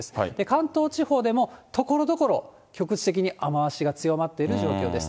関東地方でもところどころ局地的に雨足が強まっている状況です。